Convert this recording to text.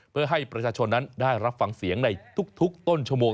เพื่อให้ประชาชนนั้นได้รับฟังเสียงในทุกต้นชั่วโมง